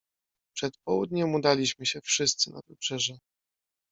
"Przed południem udaliśmy się wszyscy na wybrzeże."